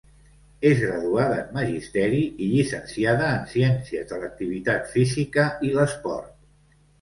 És graduada en Magisteri i llicenciada en Ciències de l'Activitat Física i l'Esport.